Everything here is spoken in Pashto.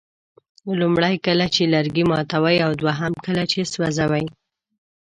لومړی کله چې لرګي ماتوئ او دوهم کله چې سوځوئ.